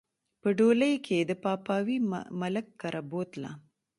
په ډولۍ کښې د پاپاوي ملک کره بوتله